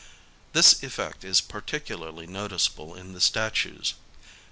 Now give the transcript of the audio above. This effect is particularly noticeable in the statues.